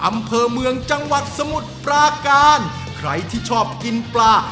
อำเภอเมืองจังหวัดสมุทรปราการใครที่ชอบกินปลา